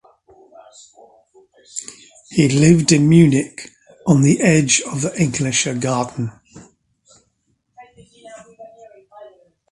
He lived in Munich on the edge of the Englischer Garten.